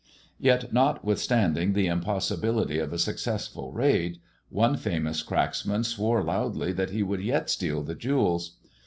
Yet, notwith standing the impossibility of a successful raid, one famous cracksman swore loudly that he would yet steal the jewels.